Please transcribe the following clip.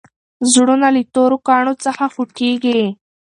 زړونه له تورو کاڼو څخه خوټېږي.